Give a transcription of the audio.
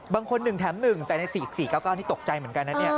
บางคน๑แถม๑แต่ใน๔๙๙บาทที่ตกใจเหมือนกันน่ะ